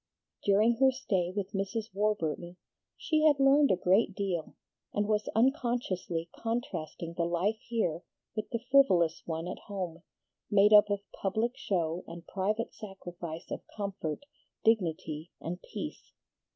During her stay with Mrs. Warburton she had learned a good deal, and was unconsciously contrasting the life here with the frivolous one at home, made up of public show and private sacrifice of comfort, dignity, and peace.